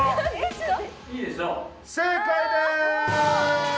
正解です！